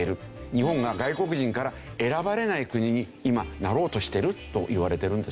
日本が外国人から選ばれない国に今なろうとしてるといわれてるんですよね。